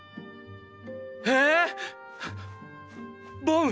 ええ⁉ボン⁉